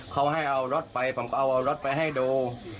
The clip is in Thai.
เขาให้เอารถไปผมก็เอารถไปให้ดู